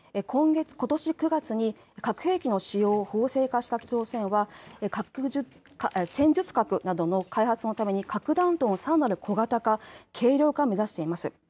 ことし９月に核兵器の使用を法制化した北朝鮮は戦術核などの開発のために核弾頭のさらなる小型化、軽量化を目指しています。